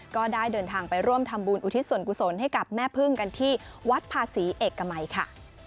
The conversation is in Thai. ก็ได้เดินทางไปร่วมทำบุญอุทิศส่วนกุศลให้กับแม่พึ่งกันที่วัดภาษีเอกมัยค่ะ